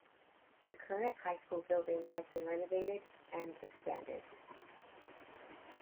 The current high school building has been renovated and expanded.